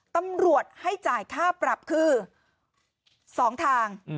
ตำรวจให้จ่ายค่าปรับคือ๒ทาง